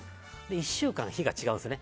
１週間、日が違うんですよ。